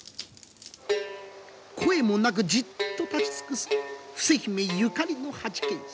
声もなくじっと立ち尽くす伏姫ゆかりの八犬士。